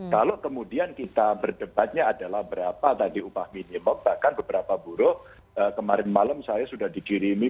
kalau kemudian kita berdebatnya adalah berapa tadi upah minimum bahkan beberapa buruh kemarin malam saya sudah dikirimi